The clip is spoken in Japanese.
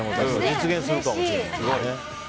実現するかもしれないですね。